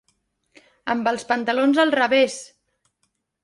Amb els pantalons al revés!